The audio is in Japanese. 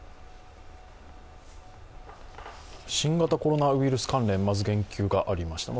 新型コロナウイルス関連、まず言及がありました。